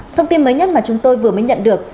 thông tin mới nhất mà chúng tôi vừa mới nhận được